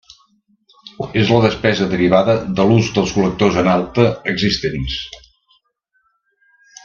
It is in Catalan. És la despesa derivada de l'ús dels col·lectors en alta existents.